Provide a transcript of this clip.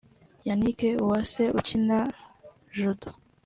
Yanick Uwase ukina Judo